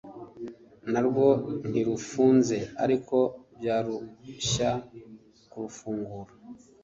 narwo ntirufunze, ariko byakurushya kurufungura